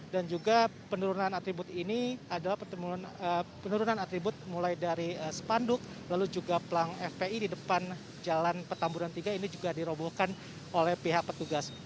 dan juga penurunan atribut ini adalah penurunan atribut mulai dari sepanduk lalu juga pelang fpi di depan jalan petamburan tiga ini juga dirobohkan oleh pihak petugas